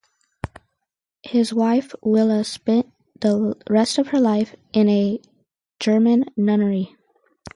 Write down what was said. His wife Willa spent the rest of her life in a German nunnery.